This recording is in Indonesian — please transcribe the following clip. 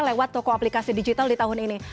lewat toko aplikasi digital di tahun ini